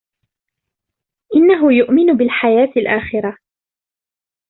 إنهُ يؤمن بالحياة الآخرة.